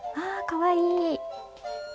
かわいい。